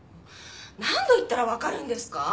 何度言ったらわかるんですか？